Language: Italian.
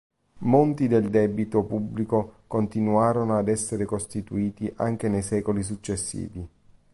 Monti del debito pubblico continuarono ad essere costituiti anche nei secoli successivi.